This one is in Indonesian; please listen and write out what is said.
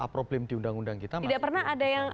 problem di undang undang kita masih